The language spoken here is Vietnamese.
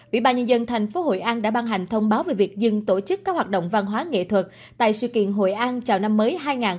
vị bà nhân dân thành phố hội an đã ban hành thông báo về việc dừng tổ chức các hoạt động văn hóa nghệ thuật tại sự kiện hội an chào năm mới hai nghìn hai mươi hai